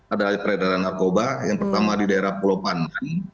adalah peredaran narkoba yang pertama di daerah pulau pandan